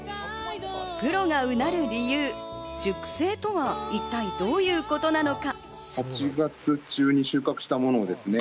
プロがうなる理由、熟成とは一体どういうことなのか。